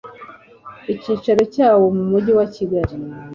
icyicaro cyawo mu mujyi wa kigali